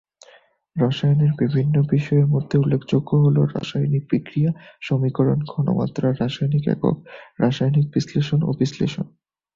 রসায়নের বিভিন্ন বিষয়ের মধ্যে উল্লেখযোগ্য হল রাসায়নিক বিক্রিয়া, সমীকরণ, ঘনমাত্রা, রাসায়নিক একক, রাসায়নিক বিশ্লেষণ ও সংশ্লেষণ।